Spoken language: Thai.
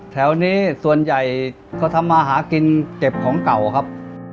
แถวนี้ส่วนใหญ่เขาทำมาหากินเก็บของเก่าครับ